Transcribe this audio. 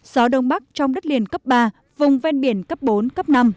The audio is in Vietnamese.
gió đông bắc trong đất liền cấp ba vùng ven biển cấp bốn cấp năm